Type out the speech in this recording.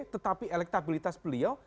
tetapi elektabilitas beliau